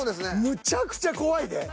むちゃくちゃ怖いで。